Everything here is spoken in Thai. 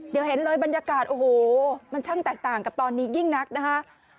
เดี๋ยวเห็นเลยบรรยากาศโอ้โหมันช่างแตกต่างกับตอนนี้ยิ่งนักนะฮะ